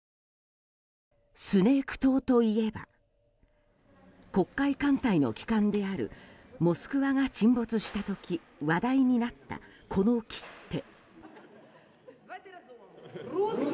スネーク島といえば黒海艦隊の旗艦である「モスクワ」が沈没した時話題になった、この切手。